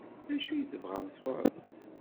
D acu i tebɣam sɣur-s?